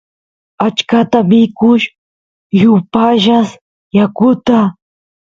achkata mikush y upiyash yakuta